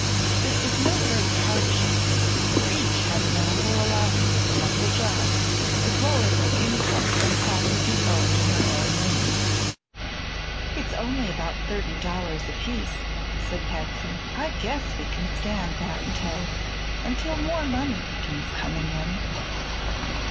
This was no great hardship, for each had an ample allowance from Uncle John, as well as an income from property owned in her own name. "It's only about thirty dollars apiece," said Patsy. "I guess we can stand that until until more money begins coming in."